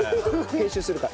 編集するから。